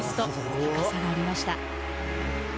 高さがありました。